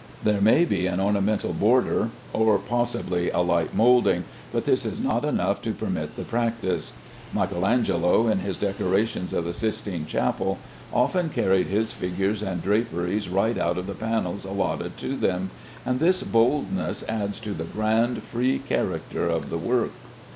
There may be an ornamental border or possibly a light moulding, but this is not enough to permit the practice. Michael Angelo, in his decorations of the Sistine Chapel, often carried his figures and draperies right out of the panels allotted to them, and this boldness adds to the grand, free character of the work.